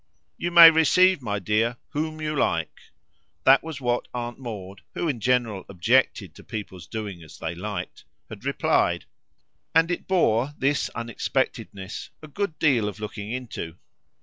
"You may receive, my dear, whom you like" that was what Aunt Maud, who in general objected to people's doing as they liked, had replied; and it bore, this unexpectedness, a good deal of looking into.